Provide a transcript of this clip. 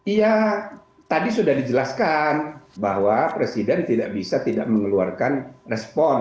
iya tadi sudah dijelaskan bahwa presiden tidak bisa tidak mengeluarkan respon